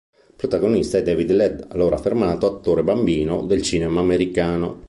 Protagonista è David Ladd, allora affermato attore bambino del cinema americano.